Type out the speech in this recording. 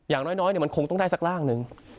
อย่างน้อยมันคงต้องได้สักร่างหนึ่ง